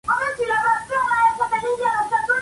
El premio es otorgado en julio.